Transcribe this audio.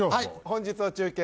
本日の中継